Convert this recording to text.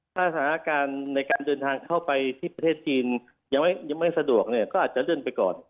ถ้าสถานการณ์ในการเดินทางเข้าไปที่ประเทศจีนยังไม่สะดวกเนี่ยก็อาจจะเลื่อนไปก่อน